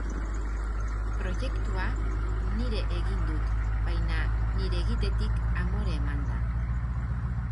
Proiektua nire egin dut, baina nire egitetik amore emanda.